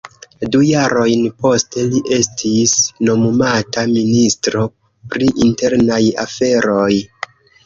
Du jarojn poste li estis nomumata Ministro pri Internaj Aferoj.